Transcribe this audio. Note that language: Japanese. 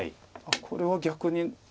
これは逆に。